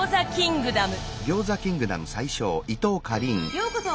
ようこそ！